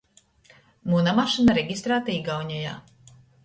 Muna mašyna registrāta Igaunejā.